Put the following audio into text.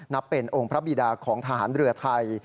นับเป็นองค์พระบิดาของทหารเรือไทย